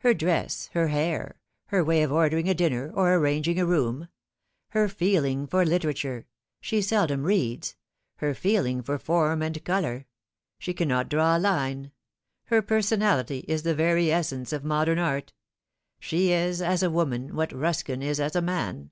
Her dress, her hair, her way of ordering a dinner or arranging a room her feeling for literature she seldom reads her feeling for form and colour she cannot draw a line her personality is the very essence of modern art. She is as a woman what Buskin is as a man.